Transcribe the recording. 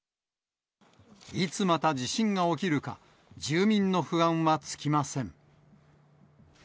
いつまた地震が起きるか、住民の不安は尽きません。